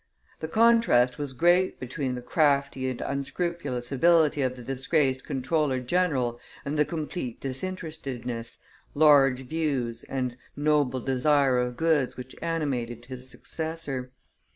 The contrast was great between the crafty and unscrupulous ability of the disgraced comptroller general and the complete disinterestedness, large views, and noble desire of good which animated his successor.